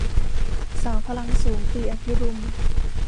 สาวพลังสูง - ตรี อภิรุม